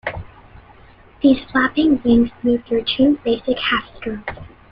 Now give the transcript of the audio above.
These flapping wings move through two basic half-strokes.